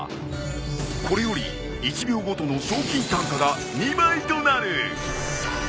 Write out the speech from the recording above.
これより１秒ごとの賞金単価が２倍となる！